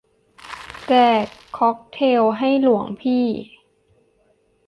แจกค็อกเทลให้หลวงพี่